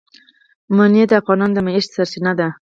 منی د افغانانو د معیشت سرچینه ده.